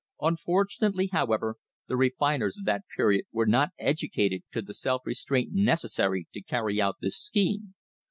Unfortunately, however, the refiners of that period were not educated to the self restraint necessary to carry out this scheme.